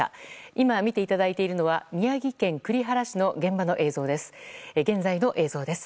今見ていただいているのは宮城県栗原市の現場の現在の映像です。